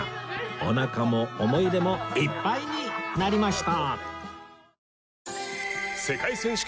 おなかも思い出もいっぱいになりました